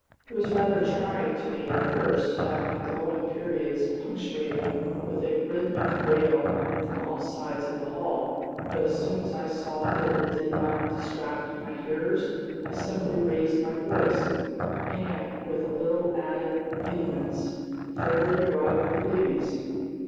It was rather trying to me at first to have my glowing periods punctuated with a rhythmic wail from all sides of the hall; but as soon as I saw that it did not distract my hearers, I simply raised my voice, and, with a little added vehemence, fairly rivaled the babies.